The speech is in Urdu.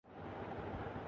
وہ پیچھے کے پیچھے۔